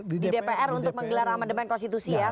di dpr untuk menggelar amat deman konstitusi ya